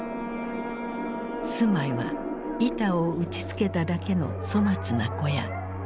住まいは板を打ちつけただけの粗末な小屋。